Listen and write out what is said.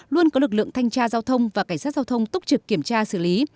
luôn có lực lượng thanh tra giao thông và cảnh sát giao thông túc trực kiểm tra xử lý